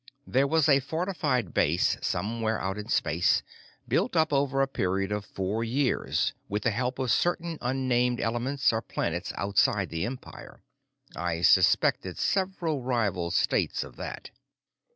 There was a fortified base somewhere out in space, built up over a period of four years with the help of certain unnamed elements or planets outside the Empire. I suspected several rival states of that!